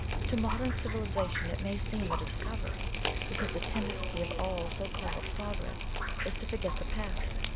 To modern civilization it may seem a discovery, because the tendency Of all so called progress is to forget the past.